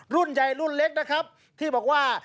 รุ่นใหญ่รุ่นเล็กนะครับที่บอกว่า